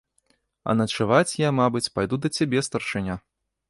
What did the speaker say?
А начаваць я, мабыць, пайду да цябе, старшыня.